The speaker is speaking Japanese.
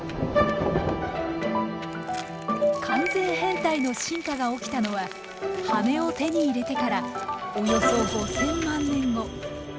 完全変態の進化が起きたのは羽を手に入れてからおよそ５，０００万年後。